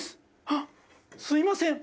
あっすいません。